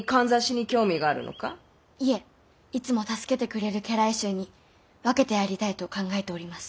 いえいつも助けてくれる家来衆に分けてやりたいと考えております。